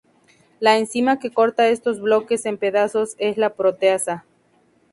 La enzima que corta estos bloques en pedazos es la proteasa.